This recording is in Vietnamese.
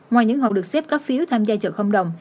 ngoài những hộ được xếp có phiếu tham gia chợ không đồng